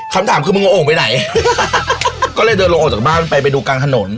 คำถามคือมึงเอาโอ่งไปไหนก็เลยเดินลงออกจากบ้านไปไปดูกลางถนน